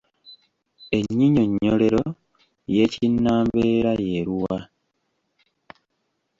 Ennyinyonnyolero y’Ekinnambeera y’eluwa?